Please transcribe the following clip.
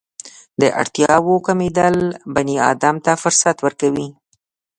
د اړتیاوو کمېدل بني ادم ته فرصت ورکوي.